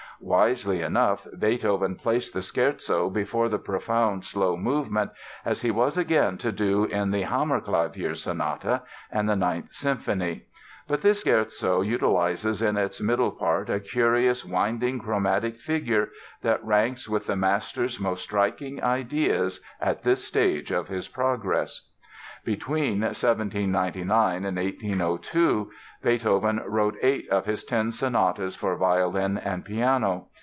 Wisely enough, Beethoven placed the Scherzo before the profound slow movement, as he was again to do in the "Hammerklavier" Sonata and the Ninth Symphony. But this scherzo utilizes in its middle part a curious, winding chromatic figure which ranks with the master's most striking ideas at this stage of his progress. Between 1799 and 1802 Beethoven wrote eight of his ten sonatas for violin and piano.